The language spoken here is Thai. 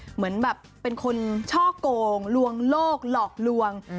เหมือนแบบเป็นคนช่อกงลวงโลกหลอกลวง